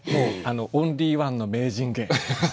オンリーワンの名人芸。